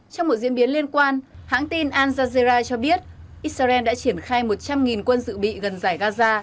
trong một diễn biến liên quan hãng tin al jazera cho biết israel đã triển khai một trăm linh quân dự bị gần giải gaza